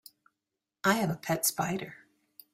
I have a pet spider.